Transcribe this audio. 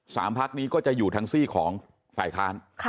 พักนี้ก็จะอยู่ทางซี่ของฝ่ายค้าน